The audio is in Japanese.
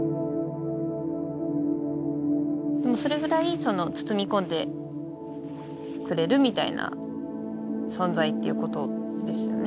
それぐらいその包み込んでくれるみたいな存在っていうことですよね。